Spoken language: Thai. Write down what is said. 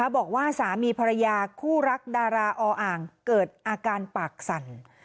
บอกว่าสามีภรรยาคู่รักดาราออ่างเกิดอาการปากสั่น